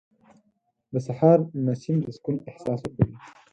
• د سهار نسیم د سکون احساس ورکوي.